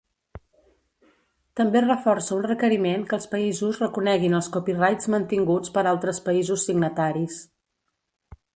També reforça un requeriment que els països reconeguin els copyrights mantinguts per altres països signataris.